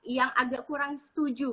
yang agak kurang setuju